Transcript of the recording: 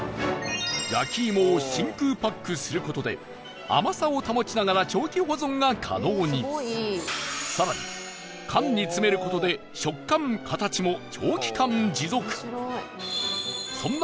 焼き芋を真空パックする事で甘さを保ちながら長期保存が可能に更に、缶に詰める事で食感、形も長期間持続そんな